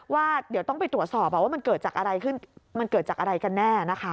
ว่าเดี๋ยวต้องไปตรวจสอบว่ามันเกิดจากอะไรกันแน่นะคะ